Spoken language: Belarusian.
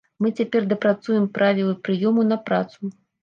Мы цяпер дапрацуем правілы прыёму на працу.